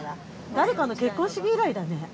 誰かの結婚式以来だね。